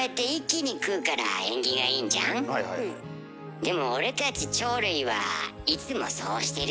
でも俺たち鳥類はいつもそうしてるじゃん。